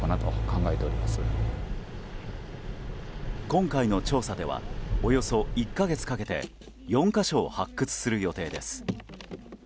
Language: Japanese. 今回の調査ではおよそ１か月かけて４か所を発掘する予定です。